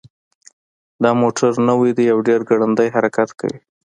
دا موټر نوی ده او ډېر ګړندی حرکت کوي